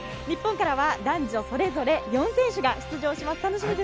日本からは男女それぞれ４選手が出場します。